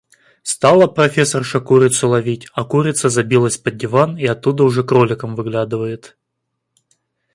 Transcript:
Стала профессорша курицу ловить, а курица забилась под диван и оттуда уже кроликом выглядывает.